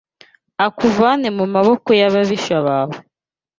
akuvane mu maboko y’ababisha bawe.